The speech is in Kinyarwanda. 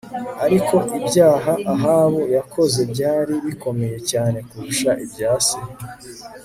ariko ibyaha Ahabu yakoze byari bikomeye cyane kurusha ibya se